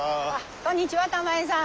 こんにちは玉井さん。